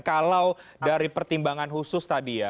kalau dari pertimbangan khusus tadi ya